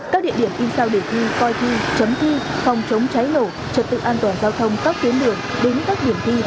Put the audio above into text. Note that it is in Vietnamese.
các địa điểm in sao để thi coi thi chấm thi phòng chống cháy nổ trật tự an toàn giao thông các tuyến đường đến các điểm thi